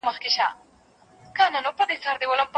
ده د ژوند په هر پړاو کې زده کړه جاري وساتله.